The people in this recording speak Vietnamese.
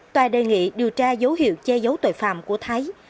tòa đề nghị điều tra dấu hiệu che giấu tội phạm của thái